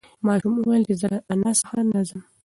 ماشوم وویل چې زه له انا څخه نه ځم.